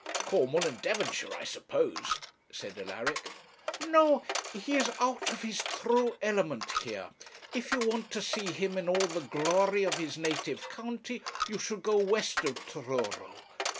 'Cornwall and Devonshire, I suppose,' said Alaric. 'No; he is out of his true element here. If you want to see him in all the glory of his native county you should go west of Truro.